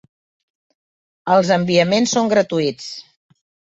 Els enviaments són gratuïts.